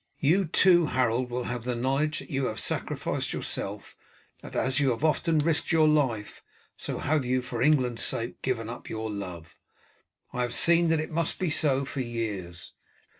"You too, Harold, will have the knowledge that you have sacrificed yourself, that as you have often risked your life, so have you for England's sake given up your love. I have seen that it must be so for years.